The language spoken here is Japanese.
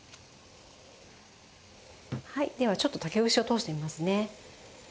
ではちょっと竹串を通してみますね。